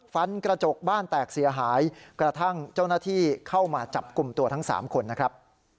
กระจกบ้านแตกเสียหายกระทั่งเจ้าหน้าที่เข้ามาจับกลุ่มตัวทั้ง๓คนนะครับ